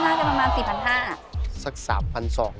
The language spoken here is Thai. โอ้โฮจำนำโชค